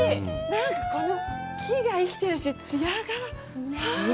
なんかこの木が生きてるし、艶が。